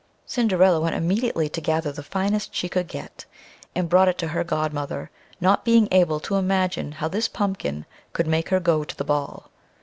Cinderilla went immediately to gather the finest she could get, and brought it to her godmother, not being able to imagine how this pumpkin could make her go to the ball.